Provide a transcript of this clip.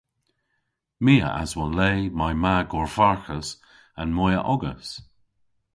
My a aswon le may ma gorvarghas an moyha ogas.